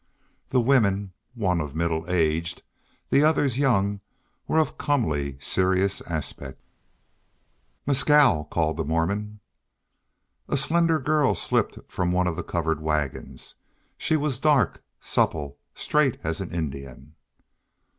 The women, one middle aged, the others young, were of comely, serious aspect. "Mescal," called the Mormon. A slender girl slipped from one of the covered wagons; she was dark, supple, straight as an Indian.